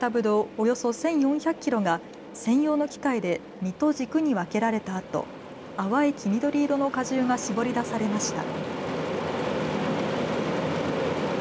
およそ１４００キロが専用の機械で実と軸に分けられたあと淡い黄緑色の果汁が搾り出されました。